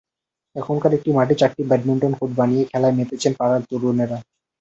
এখনকার একটি মাঠে চারটি ব্যাডমিন্টন কোর্ট বানিয়ে খেলায় মেতেছেন পাড়ার তরুণেরা।